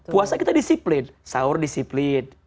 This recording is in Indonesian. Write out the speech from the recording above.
puasa kita disiplin sahur disiplin